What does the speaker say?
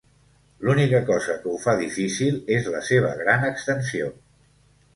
L'única cosa que ho fa difícil és la seva gran extensió.